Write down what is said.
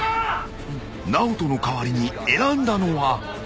［ＮＡＯＴＯの代わりに選んだのは］